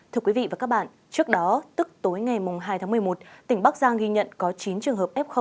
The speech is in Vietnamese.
thưa quý vị và các bạn trước đó tức tối ngày hai tháng một mươi một tỉnh bắc giang ghi nhận có chín trường hợp f